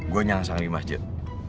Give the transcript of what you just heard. gue nyangsa di masjid